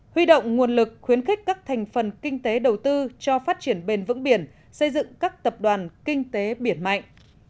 huy động nguồn lực khuyến khích các thành phần kinh tế đầu tư cho phát triển bền vững biển xây dựng các tập đoàn kinh tế biển mạnh